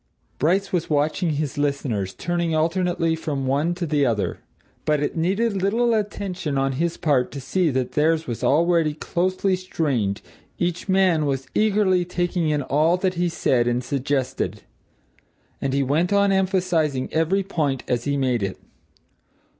Bryce was watching his listeners, turning alternately from one to the other. But it needed little attention on his part to see that theirs was already closely strained; each man was eagerly taking in all that he said and suggested. And he went on emphasizing every point as he made it.